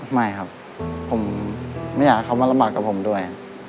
ไม่ครับผมไม่อยากให้เขามาลำบากกับผมด้วย